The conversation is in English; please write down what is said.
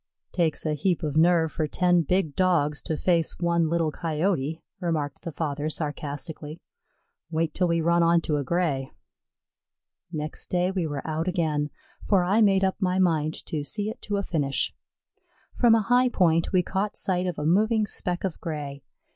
"Takes a heap of nerve for ten big Dogs to face one little Coyote," remarked the father, sarcastically. "Wait till we run onto a Gray." Next day we were out again, for I made up my mind to see it to a finish. From a high point we caught sight of a moving speck of gray.